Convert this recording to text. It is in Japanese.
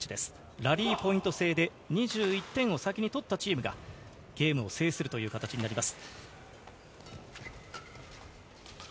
ラリーポイント制で２１点を先に取ったチームがゲームを制するという形になります。